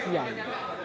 dan menghormati siang